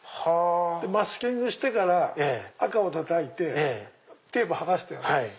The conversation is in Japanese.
マスキングしてから赤をたたいてテープ剥がしてあるんです。